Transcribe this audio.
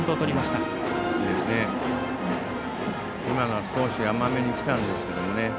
今のは少し甘めにきたんですけどね。